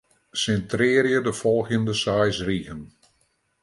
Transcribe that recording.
Sintrearje de folgjende seis rigen.